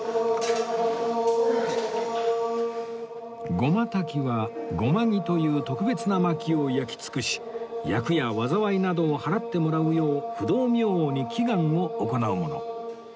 護摩焚きは護摩木という特別な薪を焼き尽くし厄や災いなどをはらってもらうよう不動明王に祈願を行うもの